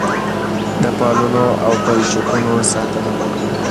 د پلونو او پلچکونو ساتنه وکړئ.